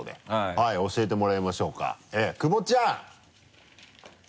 はい教えてもらいましょうか久保ちゃん。